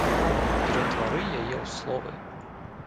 Ператвары яе ў словы!